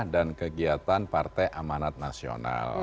dan kegiatan partai amanat nasional